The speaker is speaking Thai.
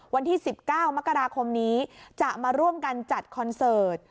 วันที่๑๙มกราคมนี้จะมาร่วมกันจัดคอนเสิร์ต